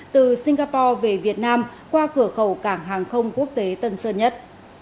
từ singapore về việt nam qua cửa khẩu cảng hàng không quốc tế tân sơn nhất